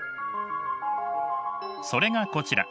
それがこちら。